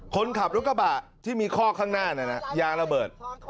คนขับรถกระบะที่มีข้อข้างหน้านั้นยางระเบิด